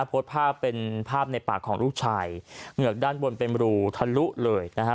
โพสต์ภาพเป็นภาพในปากของลูกชายเหงือกด้านบนเป็นรูทะลุเลยนะฮะ